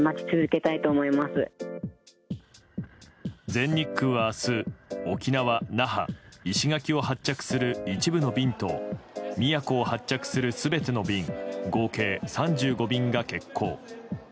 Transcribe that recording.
全日空は明日沖縄・那覇、石垣を発着する一部の便と宮古を発着する全ての便合計３５便が欠航。